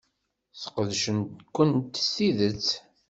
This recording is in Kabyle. Sqedcent-kent s tidet.